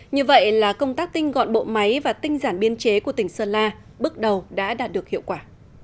như vậy là công tác tinh gọn bộ máy và tinh giản biên chế của tỉnh sơn la bước đầu đã đạt được hiệu quả